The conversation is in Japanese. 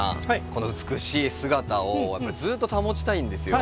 この美しい姿をずっと保ちたいんですよ。